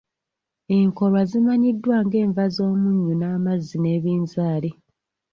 Enkolwa zimanyiddwa ng'enva z’omunnyu n’amazzi n’ebinzaali.